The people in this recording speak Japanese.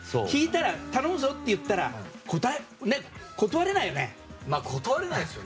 頼むぞって言ったら断れないよね。